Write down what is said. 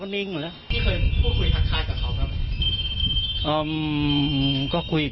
คุย๕คนกับเขากัน